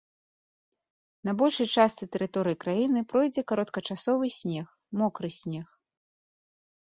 На большай частцы тэрыторыі краіны пройдзе кароткачасовы снег, мокры снег.